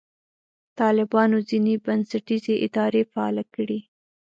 طالبانو ځینې بنسټیزې ادارې فعاله کړې.